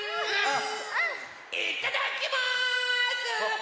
いただきます！